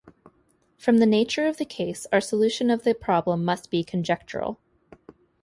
From the nature of the case our solution of the problem must be conjectural.